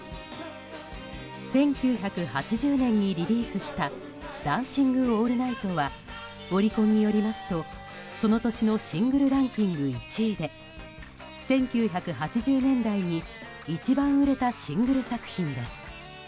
１９８０年にリリースした「ダンシング・オールナイト」はオリコンによりますと、その年のシングルランキング１位で１９８０年代に一番売れたシングル作品です。